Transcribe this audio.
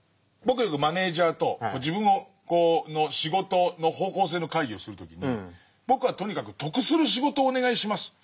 僕よくマネージャーと自分の仕事の方向性の会議をする時に僕はとにかく「得する仕事をお願いします。